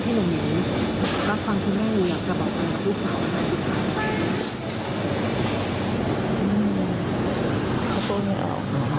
ก็ฟังที่ไม่รู้อยากจะบอกลูกสาวอะไร